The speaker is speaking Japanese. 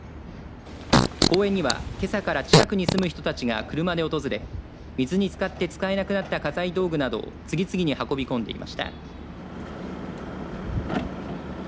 公園にはけさから近くに住む人たちが車で訪れ水につかって使えなくなった家財道具などを次々に運び込んでいました。